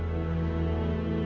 karena tidak hilang bidil